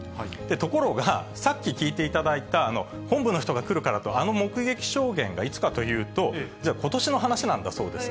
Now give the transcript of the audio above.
ところが、さっき聞いていただいた、本部の人が来るからと、あの目撃証言がいつかというと、じゃあことしの話なんだそうです。